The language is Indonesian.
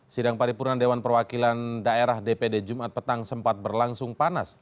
sidang paripurna dewan perwakilan daerah dpd jumat petang sempat berlangsung panas